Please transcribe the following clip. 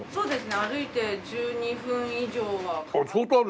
歩いて１２分以上はかかる。